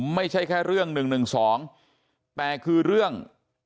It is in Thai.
ไม่ใช่แค่เรื่อง๑๑๒แต่คือเรื่อง